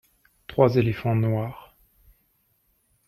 Trois éléphants noirs.